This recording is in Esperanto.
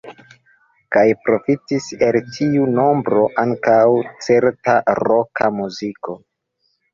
Kaj profitis el tiu nombro ankaŭ certa roka muziko.